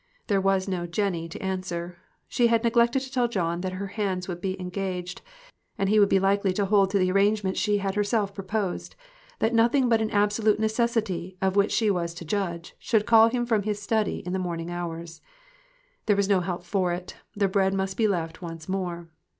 There was no "Jennie" to answer; she had neglected to tell John that her hands would be engaged, and he would be likely to hold to the arrangement she had herself proposed ; that noth ing but an absolute necessity, of which she was to judge, should call him from his. study in the morning hours. There was no help for it, the bread must be left once more.